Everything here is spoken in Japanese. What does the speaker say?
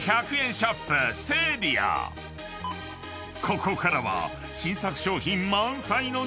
［ここからは新作商品満載の